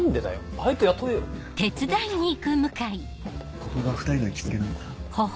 ここが２人の行きつけなんだ。